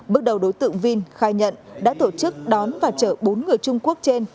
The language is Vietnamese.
bước đầu đối tượng vinh khai nhận đã tổ chức đón và chở bốn người trung quốc trên